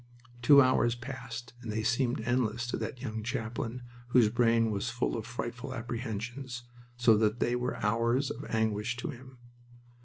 Two hours passed, and they seemed endless to that young chaplain whose brain was full of frightful apprehensions, so that they were hours of anguish to him.